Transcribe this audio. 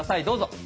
どうぞ。